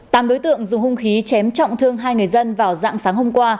tám đối tượng dùng hung khí chém trọng thương hai người dân vào dạng sáng hôm qua